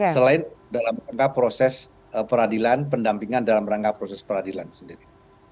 selain dalam rangka proses peradilan pendampingan dalam rangka proses peradilan sendiri